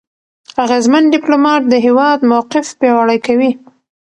اغېزمن ډيپلوماټ د هېواد موقف پیاوړی کوي.